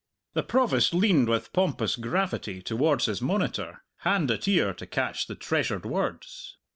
The Provost leaned with pompous gravity toward his monitor, hand at ear to catch the treasured words.